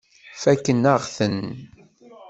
Fakkent-aɣ-ten.